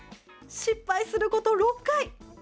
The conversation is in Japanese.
失敗すること６回。